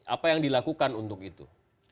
apa yang dilakukan untuk itu